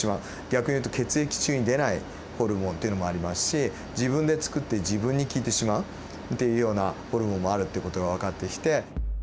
逆に言うと血液中に出ないホルモンっていうのもありますし自分でつくって自分に効いてしまうっていうようなホルモンもあるっていう事がわかってきて。